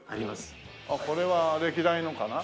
これは歴代のかな？